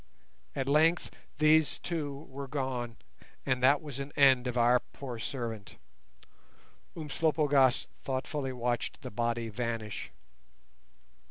At length these, too, were gone, and that was an end of our poor servant. Umslopogaas thoughtfully watched the body vanish.